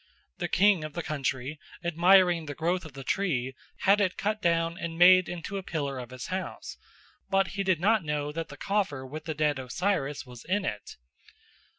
The king of the country, admiring the growth of the tree, had it cut down and made into a pillar of his house; but he did not know that the coffer with the dead Osiris was in it.